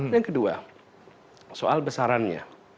dan kedua soal besarannya